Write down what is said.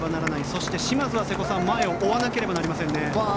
そして嶋津は瀬古さん前を追わなければなりませんね。